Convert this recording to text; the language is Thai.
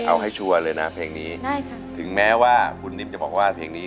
เอาให้ชัวร์เลยนะเพลงนี้ใช่ค่ะถึงแม้ว่าคุณนิ่มจะบอกว่าเพลงนี้